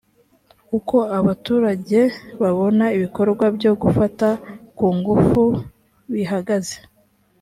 uko abaturage babona ibikorwa byo gufata ku ngufu bihagaze